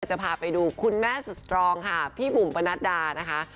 จะพาไปดูคุณแม่สุดสตรองค่ะพี่บุ๋มปนัดดานะคะ